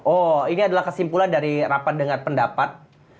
oh ini adalah kesimpulan dari rapat dengar pendapat